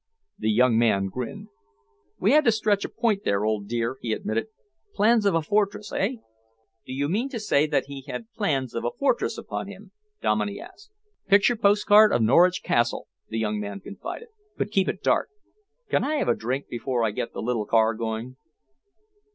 The young man grinned. "We had to stretch a point there, old dear," he admitted. "Plans of a fortress, eh?" "Do you mean to say that he had plans of a fortress upon him?" Dominey asked. "Picture post card of Norwich Castle," the young man confided, "but keep it dark. Can I have a drink before I get the little car going?"